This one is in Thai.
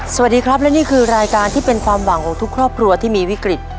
สวัสดีครับและนี่คือรายการที่เป็นความหวังของทุกครอบครัวที่มีวิกฤต